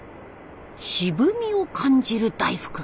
渋みを感じる大福。